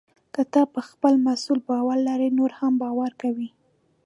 که ته پر خپل محصول باور لرې، نور هم باور کوي.